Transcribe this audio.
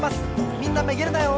みんなめげるなよ！